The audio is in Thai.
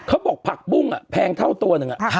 เค้าบอกผักกุ้งอ่ะแพงเท่าตัวหนึ่งอะ